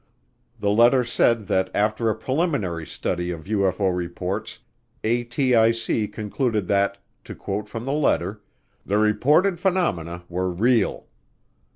The letter said that after a preliminary study of UFO reports, ATIC concluded that, to quote from the letter, "the reported phenomena were real."